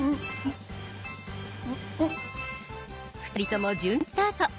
２人とも順調なスタート。